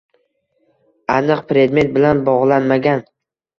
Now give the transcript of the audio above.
– aniq predmet bilan bog‘lanmagan.